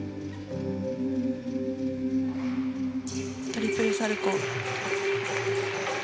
トリプルサルコウ。